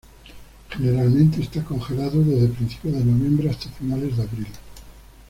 Generalmente está congelado desde principios de noviembre hasta finales de abril.